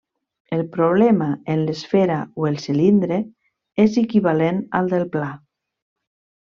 El problema en l'esfera o el cilindre és equivalent al del pla.